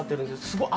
すごい。